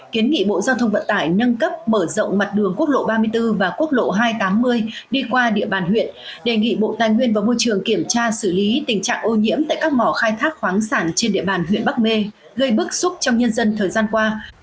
kiến nghị bộ giao thông vận tải nâng cấp mở rộng mặt đường quốc lộ ba mươi bốn và quốc lộ hai trăm tám mươi đi qua địa bàn huyện đề nghị bộ tài nguyên và môi trường kiểm tra xử lý tình trạng ô nhiễm tại các mỏ khai thác khoáng sản trên địa bàn huyện bắc mê gây bức xúc trong nhân dân thời gian qua